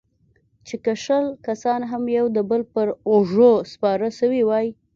چې که شل کسان هم يو د بل پر اوږو سپاره سوي واى.